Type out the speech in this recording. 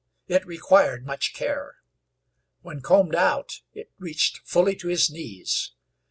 It required much care. When combed out it reached fully to his knees.